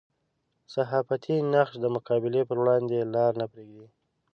صحافتي نقش د مقابلې پر وړاندې لاره نه پرېږدي.